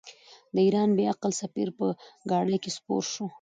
د ایران بې عقل سفیر په ګاډۍ کې سپور شو.